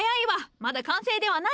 まだ完成ではない！